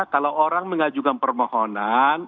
kalau orang mengajukan permohonan